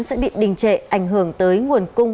sẽ bị đình trệ ảnh hưởng tới nguồn cung